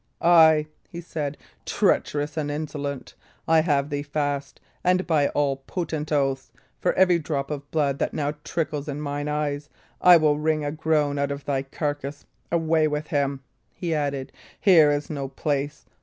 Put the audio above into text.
"Ay," he said, "treacherous and insolent, I have thee fast; and by all potent oaths, for every drop of blood that now trickles in mine eyes, I will wring a groan out of thy carcase. Away with him!" he added. "Here is no place!